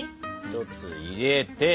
１つ入れて。